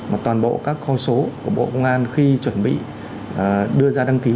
mà toàn bộ các con số của bộ ngoan khi chuẩn bị đưa ra đăng ký